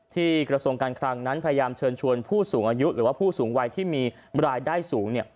กระทรวงการคลังนั้นพยายามเชิญชวนผู้สูงอายุหรือว่าผู้สูงวัยที่มีรายได้สูง